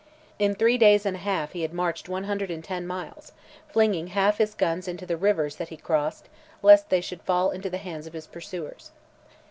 In three days and a half he had marched 110 miles, flinging half his guns into the rivers that he crossed, lest they should fall into the hands of his pursuers.